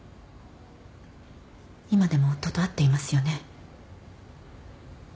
今でも夫と会っていますよね？